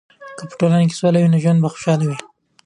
که په ټولنه کې سوله وي، ژوند به خوشحاله وي.